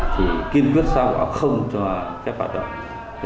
thì kinh quyết sau đó không cho phép hoạt động